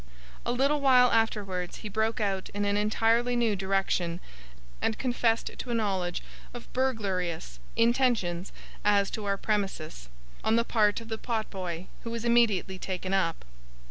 A little while afterwards, he broke out in an entirely new direction, and confessed to a knowledge of burglarious intentions as to our premises, on the part of the pot boy, who was immediately taken up.